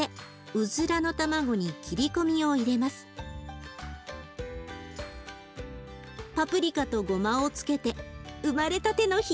パプリカとごまをつけて生まれたてのヒヨコちゃん！